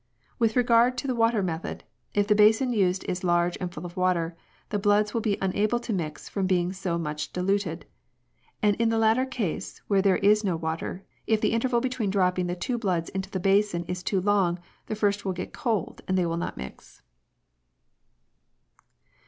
With regard to the water method, if the basin used is large and full of water, the bloods wiU be unable to mix from being so much dilated ; and in the latter case where there is no water, if the interval between dropping the two bloods into the basin is too long, the first will get cold and they will not mix."